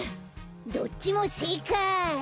どっちもせいかい！